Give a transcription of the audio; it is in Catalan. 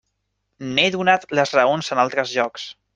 N'he donat les raons en altres llocs.